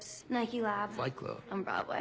はい。